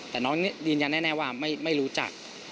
แต่น้องยืนยันแน่ว่าไม่รู้จัก